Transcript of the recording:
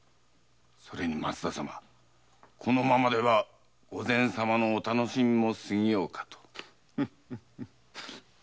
それにこのままでは御前様のお楽しみも過ぎようかと？